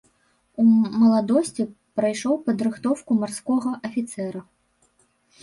У маладосці прайшоў падрыхтоўку марскога афіцэра.